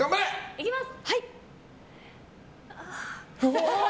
いきます！